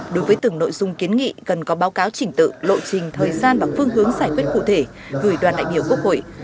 đối với từng nội dung kiến nghị cần có báo cáo chỉnh tự lộ trình thời gian và phương hướng giải quyết cụ thể gửi đoàn đại biểu quốc hội